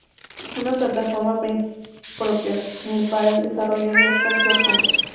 Una plataforma propicia para el desarrollo de software homebrew.